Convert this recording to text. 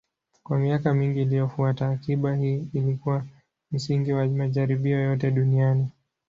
Kwa miaka mingi iliyofuata, akiba hii ilikuwa msingi wa majaribio yote duniani.